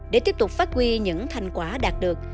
để tiếp tục phát huy những thành quả đạt được